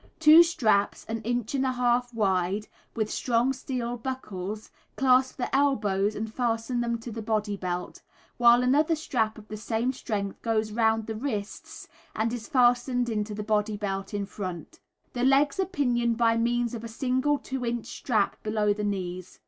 Two straps, an inch and a half wide, with strong steel buckles, clasp the elbows and fasten them to the body belt, while another strap of the same strength goes round the wrists, and is fastened into the body belt in front. The legs are pinioned by means of a single two inch strap below the knees.